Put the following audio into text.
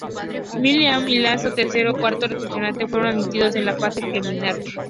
Milan y Lazio, tercero y cuarto respectivamente, fueron admitidos en la fase preliminar.